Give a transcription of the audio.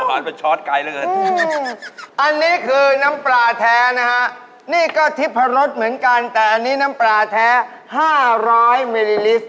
ไกลเหลือเกินอันนี้คือน้ำปลาแท้นะฮะนี่ก็ทิพรสเหมือนกันแต่อันนี้น้ำปลาแท้๕๐๐มิลลิลิสต์